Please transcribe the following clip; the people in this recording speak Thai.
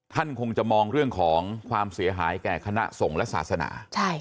ท่านคงจะมองเรื่องของความเสียหายแก่คณะสงฆ์และศาสนา